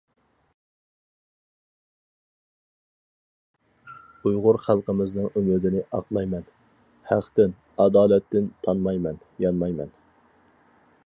ئۇيغۇر خەلقىمىزنىڭ ئۈمىدىنى ئاقلايمەن، ھەقتىن، ئادالەتتىن تانمايمەن، يانمايمەن!